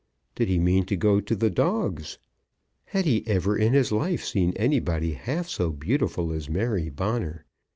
Did he mean to go to the dogs? Had he ever in his life seen anybody half so beautiful as Mary Bonner?